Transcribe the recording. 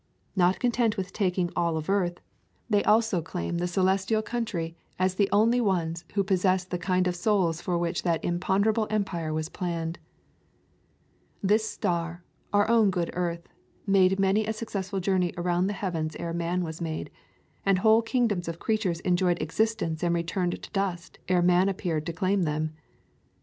Not content with taking all of earth, they also claim the celestial coun [ 139 ] A Thousand Mile Walk try as the only ones who possess the kind of souls for which that imponderable empire was planned. This star, our own good earth, made many a successful journey around the heavens ere man was made, and whole kingdoms of crea tures enjoyed existence and returned to dust ere man appeared to claim them.